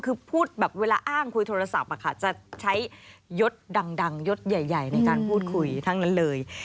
คือพูดแบบเวลาอ้างคุยโทรศัพท์จะใช้ยศดังยศใหญ่ในการพูดคุยทั้งนั้นเลย